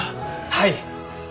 はい！